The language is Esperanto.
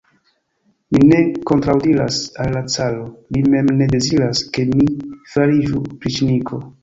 Mi ne kontraŭdiras al la caro, li mem ne deziras, ke mi fariĝu opriĉniko.